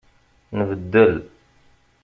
Nbeddel.